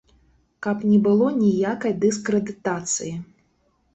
Каб не было ніякай дыскрэдытацыі.